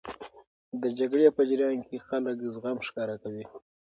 د جګړې په جریان کې خلک زغم ښکاره کوي.